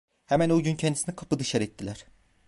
Hemen o gün kendisini kapı dışarı ettiler.